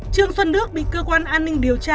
trương xuân đức bị cơ quan an ninh điều tra